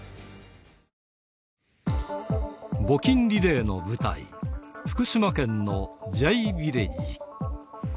募金リレーの舞台、福島県のＪヴィレッジ。